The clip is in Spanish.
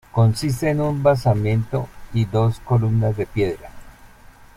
Consiste en un basamento y dos columnas de piedra.